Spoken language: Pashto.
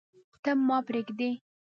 ته، ما پریږدې